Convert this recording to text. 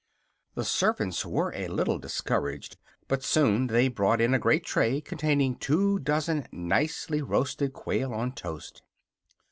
The servants were a little discouraged, but soon they brought in a great tray containing two dozen nicely roasted quail on toast.